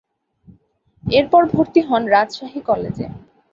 এরপর ভর্তি হন রাজশাহী কলেজে।